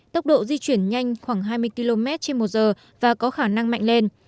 tốc độ di chuyển nhanh khoảng hai mươi km trên một giờ và có khả năng mạnh lên